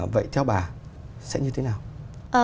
vậy theo bà sẽ như thế nào